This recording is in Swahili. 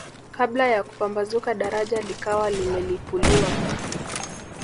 Kabla ya kupambazuka daraja likawa limelipuliwa